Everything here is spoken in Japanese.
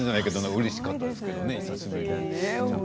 うれしかったですね、久しぶりに。